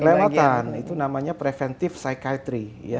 kelewatan itu namanya preventive psychiatry